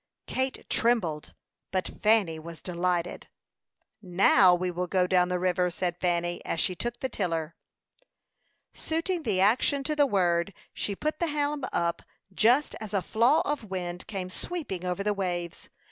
Kate trembled, but Fanny was delighted. "Now we will go down the river," said Fanny, as she took the tiller. Suiting the action to the word, she put the helm up just as a flaw of wind came sweeping over the waves.